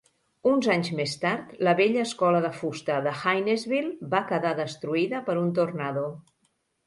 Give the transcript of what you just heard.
Uns anys més tard, la vella escola de fusta de Hainesville va quedar destruïda per un tornado.